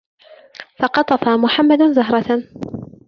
قَطَفَ مُحَمَّدٌ زَهْرَةً.